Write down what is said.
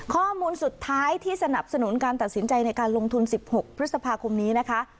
ข้อมูลสุดท้ายที่สนับสนุนการตัดสินใจในการลงทุน๑๖พฤษภาคมนี้นะคะ